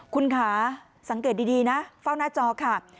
คุณค่ะสังเกตดีนะเฝ้าหน้าจอค่ะ